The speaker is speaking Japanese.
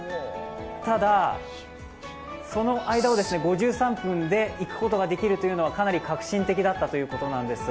ただ、その間を５３分で行くことができるというのはかなり革新的だったということなんです。